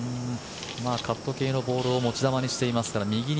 カット系のボールを持ち球にしていますから右に。